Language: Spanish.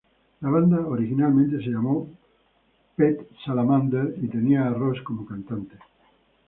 La banda originalmente se llamó Pet Salamander y tenía a Ross como cantante.